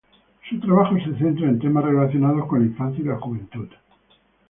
Su trabajo se centra en temas relacionados con la infancia y la juventud.